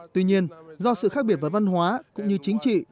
tuy nhiên do sự khác biệt với văn hóa cũng như chính trị